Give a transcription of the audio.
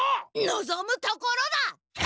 のぞむところだ！